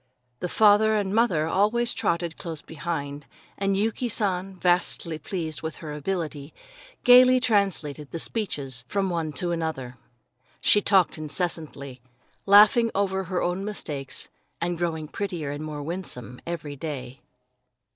The father and mother always trotted close behind, and Yuki San, vastly pleased with her ability, gaily translated the speeches from one to another. She talked incessantly, laughing over her own mistakes, and growing prettier and more winsome every day.